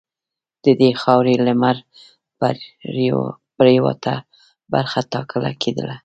د دې خاورې لمرپرېواته برخه ټاکله کېدله.